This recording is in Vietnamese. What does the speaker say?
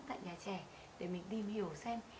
tại nhà trẻ để mình tìm hiểu xem